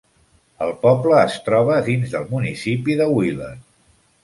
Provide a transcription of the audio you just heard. El poble es troba dins del municipi de Wheeler.